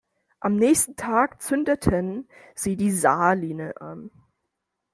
Am nächsten Tag zündeten sie die Saline an.